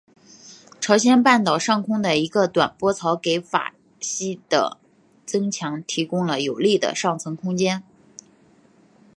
朝鲜半岛上空的一个短波槽给法茜的增强提供了有利的上层环境。